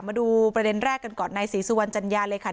มาดูประเด็นแรกกันก่อนในศรีสุวรรณจัญญาเลยค่ะ